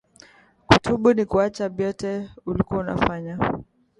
Kutubu ni kuacha byote ulikuwa na fanya